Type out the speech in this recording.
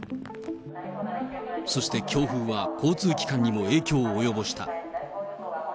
そして強風は、交通機関にも影響を及ぼした。